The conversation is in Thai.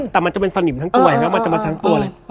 แต่มันจะเป็นสนิมทั้งตัว